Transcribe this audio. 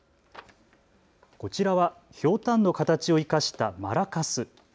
こちらはひょうたんの形を生かしたマラカス。